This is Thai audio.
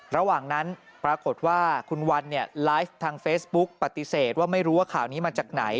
ระหว่างนั้นปรากฏว่าคุณวันเนี่ยไลฟ์ทางเฟซบุ๊กปฏิเสธว่าไม่รู้ว่าข่าวนี้มาจากไหน